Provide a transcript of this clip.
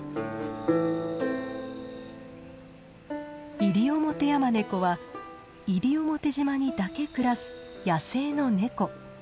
イリオモテヤマネコは西表島にだけ暮らす野生のネコ。